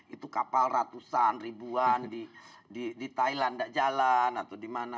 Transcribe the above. itu kapal ratusan ribuan di thailand tidak jalan atau di mana